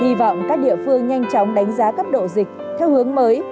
hy vọng các địa phương nhanh chóng đánh giá cấp độ dịch theo hướng mới